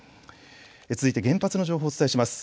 続いて原発の情報をお伝えします。